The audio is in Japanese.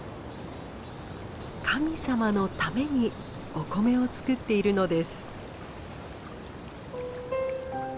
神様のためにお米を作っているのです。